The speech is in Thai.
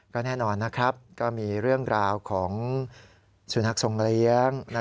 ก็แน่นอนนะครับก็มีเรื่องราวของสุนัขทรงเลี้ยง